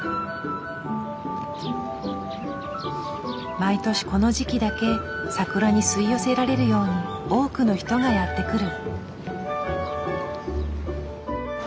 毎年この時期だけ桜に吸い寄せられるように多くの人がやって来る。